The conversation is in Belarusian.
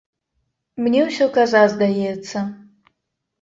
Мне усё каза здаецца.